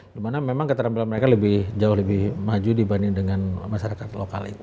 dimana memang keterampilan mereka lebih jauh lebih maju dibanding dengan masyarakat lokal itu